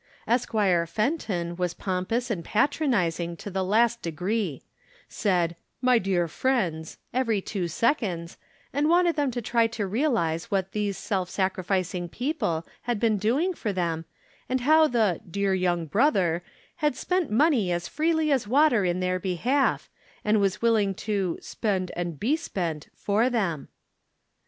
Esquire Fenton was pompous and pat ronizing to the last degree ; said " My dear friends " every two seconds, and wanted them to try to realize what these self sacrificing people 146 From Different Standpoints. had been doing for them, and how the " dear young brother " had spent money as freely as water in their behalf, and was willing to " spend and be spent" for them.